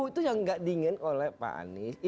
itu yang gak dingin oleh pak anies